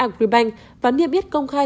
agribank và niệm biết công khai